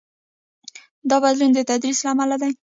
دا بدلون د تدریس له امله دی.